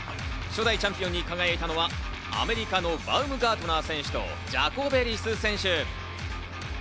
初代チャンピオンに輝いたのはアメリカのバウムガートナー選手とジャコベリス選手。